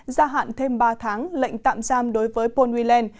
gia hạn thêm ba tháng lệnh tạm giam đối với paul whelan